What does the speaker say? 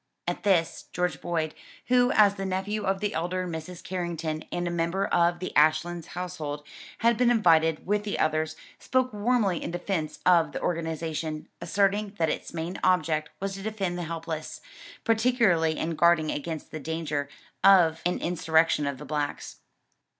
At this, George Boyd, who, as the nephew of the elder Mrs. Carrington and a member of the Ashlands household, had been invited with the others, spoke warmly in defence of the organization, asserting that its main object was to defend the helpless, particularly in guarding against the danger of an insurrection of the blacks.